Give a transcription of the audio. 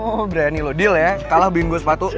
oh berani lo deal ya kalah bikin gue sepatu